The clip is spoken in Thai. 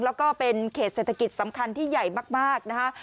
แล้วก็เป็นเขตเศรษฐกิจสำคัญที่ใหญ่มากนะคะ